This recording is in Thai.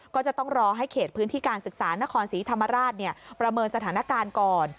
ก็จะต้องรอให้เขตพื้นที่การศึกษานครศรีธรรมราชประเมินสถานการณ์ก่อน